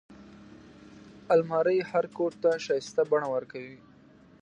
الماري هر کوټ ته ښايسته بڼه ورکوي